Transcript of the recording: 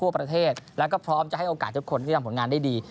พร้อมจะให้โอกาสทุกคนที่ทำผลงานได้ดี